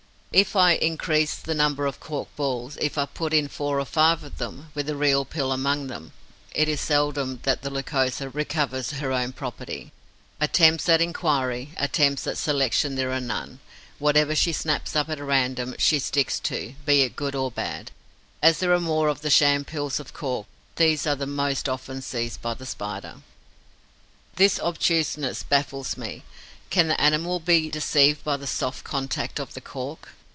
If I increase the number of cork balls, if I put in four or five of them, with the real pill among them, it is seldom that the Lycosa recovers her own property. Attempts at enquiry, attempts at selection there are none. Whatever she snaps up at random she sticks to, be it good or bad. As there are more of the sham pills of cork, these are the most often seized by the Spider. This obtuseness baffles me. Can the animal be deceived by the soft contact of the cork?